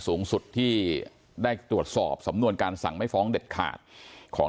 สูงสุดที่ได้ตรวจสอบสำนวนการสั่งไม่ฟ้องเด็ดขาดของ